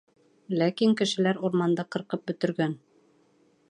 Ләкин кешеләр урманды ҡырҡып бөтөргән.